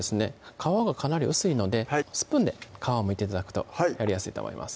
皮がかなり薄いのでスプーンで皮をむいて頂くとやりやすいと思います